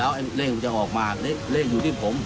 แล้วเลขจะออกมาเลขอยู่ที่ผม